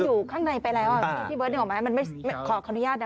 เอ้อนะไงที่เบิ้ดด้วยก่อนไหมมันไม่ขอขออนุญาตนะ